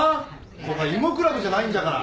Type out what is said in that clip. ここは囲碁クラブじゃないんじゃから。